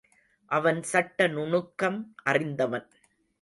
அவன் சட்ட நுணுக்கம் அறிந்தவன்.